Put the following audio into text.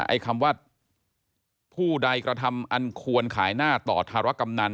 ไอ้คำว่าผู้ใดกระทำอันควรขายหน้าต่อธารกำนัน